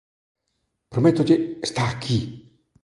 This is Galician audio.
Prométolle... Está aquí!